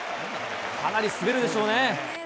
かなり滑るでしょうね。